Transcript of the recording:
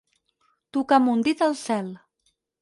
Tocar amb un dit el cel.